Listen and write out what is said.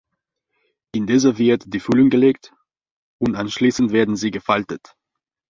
In diese wird die Füllung gelegt, und anschließend werden sie gefaltet.